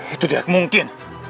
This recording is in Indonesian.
itu tidak mungkin